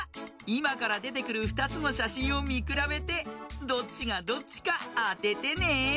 いまからでてくる２つのしゃしんをみくらべてどっちがどっちかあててね。